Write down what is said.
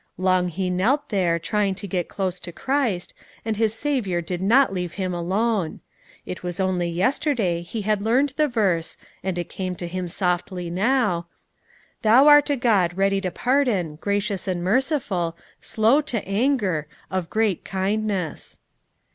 Long he knelt there, trying to get close to Christ, and his Saviour did not leave him alone. It was only yesterday he had learned the verse, and it came to him softly now: "Thou art a God ready to pardon, gracious and merciful, slow to anger, of great kindness."